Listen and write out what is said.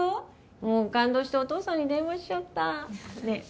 もう感動してお父さんに電話しちゃったねえ